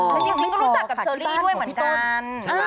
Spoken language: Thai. และยังไม่รู้จักกับเชอรี่ด้วยเหมือนกัน